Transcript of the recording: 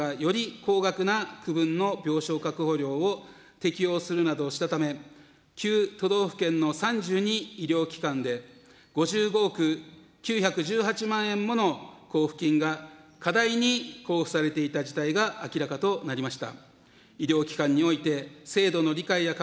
高額な区分の病床確保料を適用するなどしたため、９都道府県の３２医療機関で、５５億９１８万円もの交付金が過大に交付されていた事態が明らかとなりました。